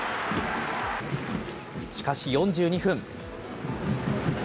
しかし４２分。